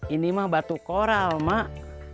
ini mah batu koral mak